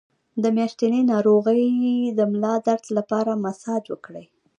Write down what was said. د میاشتنۍ ناروغۍ د ملا درد لپاره مساج وکړئ